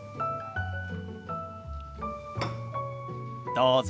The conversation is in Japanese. どうぞ。